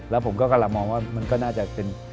แล้วผมก็กำลังมองว่ามันก็น่าจะเป็น